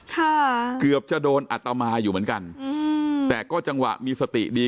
เกือบจะโดนอัตมาอยู่เหมือนกันอืมแต่ก็จังหวะมีสติดี